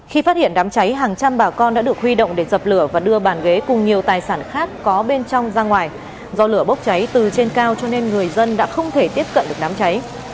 khi phát hiện đám cháy hàng trăm bà con đã được huy động để dập lửa và đưa bàn ghế cùng nhiều tài sản khác có bên trong ra ngoài do lửa bốc cháy từ trên cao cho nên người dân đã không thể tiếp cận được đám cháy